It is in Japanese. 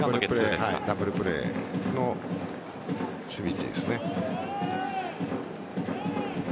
ダブルプレーの守備位置ですね。